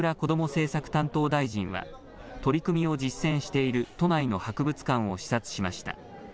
政策担当大臣は、取り組みを実践している都内の博物館を視察しました。